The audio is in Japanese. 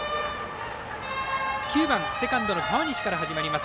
９番、セカンドの川西から始まります。